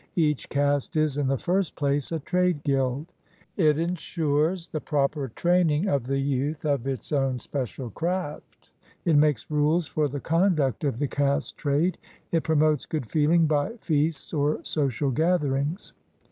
Each caste is, in the first place, a trade guild. It ensures the proper training of the youth of its own special craft; it makes rules for the conduct of the caste trade; it promotes good feeling by feasts or social gatherings.